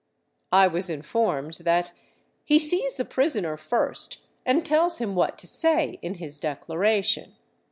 I was informed that " he sees the prisoner first and tells him what to say in his declaration."